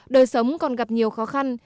đời sống còn gặp nhiều khó khăn